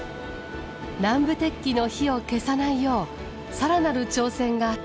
南部鉄器の火を消さないよう更なる挑戦が続いている。